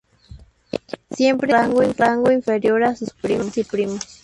Siempre en un rango inferior a sus primas y primos.